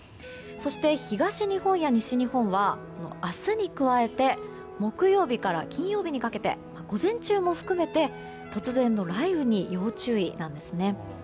そして東日本や西日本は明日に加えて木曜日から金曜日にかけて午前中も含めて突然の雷雨に要注意なんですね。